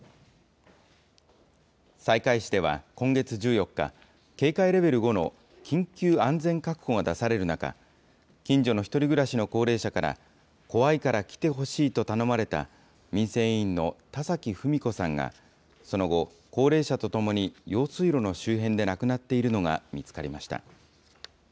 西海市では今月１４日、警戒レベル５の緊急安全確保が出される中、近所の１人暮らしの高齢者から、怖いから来てほしいと頼まれた民生委員の田崎文子さんが、その後、高齢者とともに用水路の周辺で亡くなっているのが見つかりました。